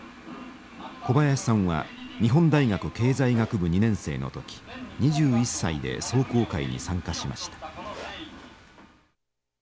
小林さんは日本大学経済学部２年生の時２１歳で壮行会に参加しました。